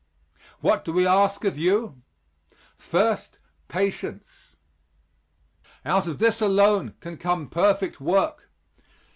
What do we ask of you? First, patience; out of this alone can come perfect work.